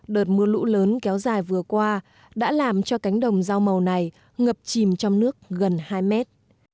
đợt mưa lũ lớn kéo dài vừa qua đã làm cho cánh đồng rau màu này ngập chìm trong nước gần hai mét